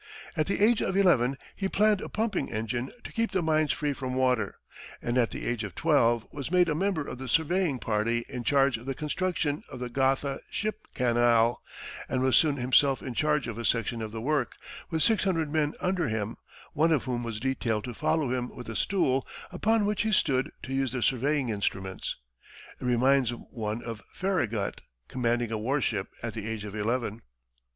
At the age of eleven, he planned a pumping engine to keep the mines free from water, and at the age of twelve, was made a member of the surveying party in charge of the construction of the Gotha ship canal, and was soon himself in charge of a section of the work, with six hundred men under him, one of whom was detailed to follow him with a stool, upon which he stood to use the surveying instruments. It reminds one of Farragut commanding a war ship, at the age of eleven.